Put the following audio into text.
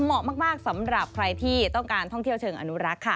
เหมาะมากสำหรับใครที่ต้องการท่องเที่ยวเชิงอนุรักษ์ค่ะ